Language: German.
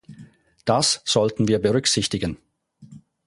Das sollten wir berücksichtigen.